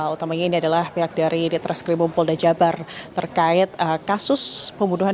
utamanya ini adalah pihak dari ditreskrimum polda jabar terkait kasus pembunuhan